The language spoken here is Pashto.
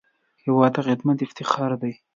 هېواد ته خدمت افتخار دی